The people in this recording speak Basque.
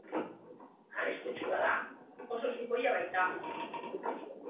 Arriskutsua da, oso sukoia baita.